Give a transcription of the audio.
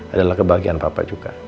adalah kebahagiaan papa juga